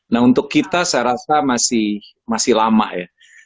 nah untuk kita saya rasa masih lama ya